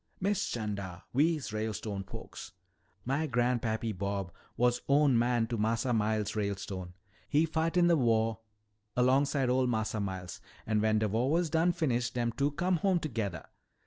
"Miss 'Chanda, we's Ralestone folks. Mah gran' pappy Bob was own man to Massa Miles Ralestone. He fit in de wah longside o' Massa Miles. An' wen de wah was done finish'd, dem two com' home to gethah.